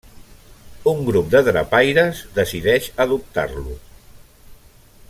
Un grup de drapaires decideix adoptar-lo.